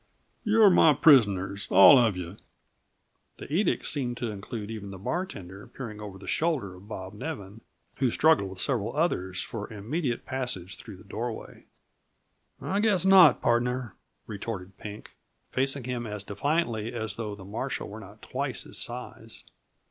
You're my prisoners all uh yuh." The edict seemed to include even the bartender, peering over the shoulder of Bob Nevin, who struggled with several others for immediate passage through the doorway. "I guess not, pardner," retorted Pink, facing him as defiantly as though the marshal were not twice his size.